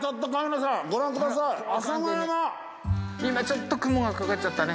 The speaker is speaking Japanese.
今ちょっと雲がかかっちゃったね。